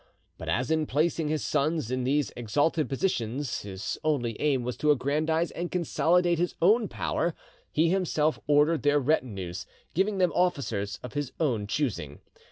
But as in placing his sons in these exalted positions his only aim was to aggrandise and consolidate his own power, he himself ordered their retinues, giving them officers of his own choosing.